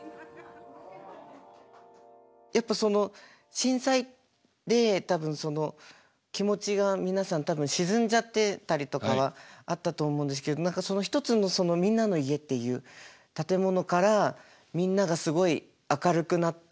やっぱその震災で多分気持ちが皆さん多分沈んじゃってたりとかはあったと思うんですけど何かその一つのみんなの家っていう建物からみんながすごい明るくなって。